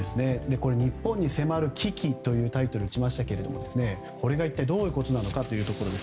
日本に迫る危機というタイトルを打ちましたがこれが一体どういうことなのか。